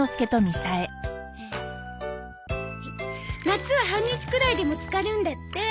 夏は半日くらいでも漬かるんだって。